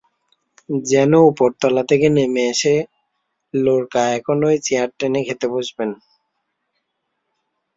যেন ওপরতলা থেকে নেমে এসে লোরকা এখনই চেয়ার টেনে খেতে বসবেন।